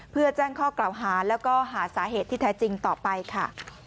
เพื่อแจ้งข้อกล่าวหาแล้วก็หาสาเหตุที่แท้จริงต่อไปค่ะ